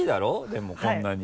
でもこんなに。